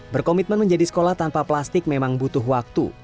berkomitmen menjadi sekolah tanpa plastik memang butuh waktu